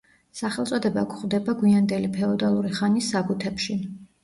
სახელწოდება გვხვდება გვიანდელი ფეოდალური ხანის საბუთებში.